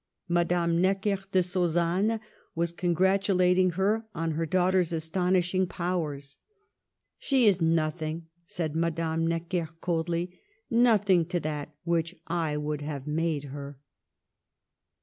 Madame Necker de Sausanne was congratulating her on her daughter's astonishing powers. " She is nothing," said Madame Necker, coldly, " nothing to that which I would have made her."